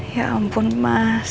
ya ampun mas